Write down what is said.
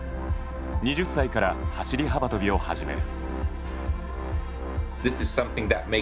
２０歳から走り幅跳びを始める。